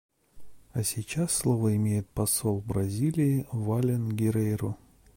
А сейчас слово имеет посол Бразилии Валлин Геррейру.